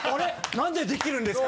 何でできるんですか？